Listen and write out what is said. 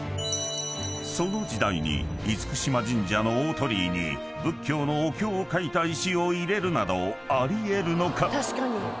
［その時代に嚴島神社の大鳥居に仏教のお経を書いた石を入れるなどあり得るのか？］